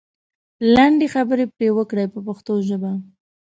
لنډې خبرې پرې وکړئ په پښتو ژبه.